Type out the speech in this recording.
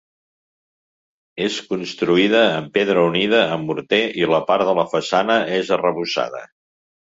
És construïda amb pedra unida amb morter i la part de la façana és arrebossada.